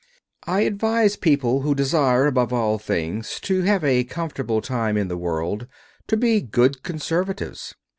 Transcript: I advise people who desire, above all things, to have a comfortable time in the world to be good conservatives.